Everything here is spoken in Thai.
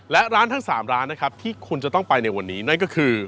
และร้านทั้ง๓ร้านนะครับที่คุณจะต้องไปในวันนี้นั่นก็คือ